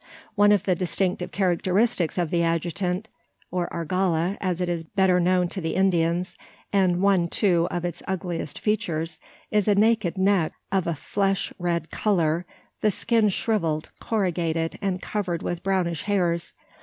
One of the distinctive characteristics of the adjutant, or "argala," as it is better known to the Indians, and one, too, of its ugliest "features," is a naked neck of a flesh red colour the skin shrivelled, corrugated, and covered with brownish hairs.